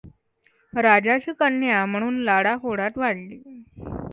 राजाची कन्या म्हणून लाडा कोडात वाढली.